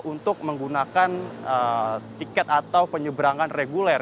untuk menggunakan tiket atau penyeberangan reguler